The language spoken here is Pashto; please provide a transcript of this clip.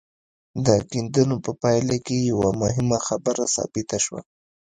د کيندنو په پايله کې يوه مهمه خبره ثابته شوه.